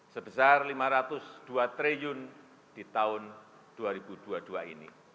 sebesar rp lima ratus dua triliun di tahun dua ribu dua puluh dua ini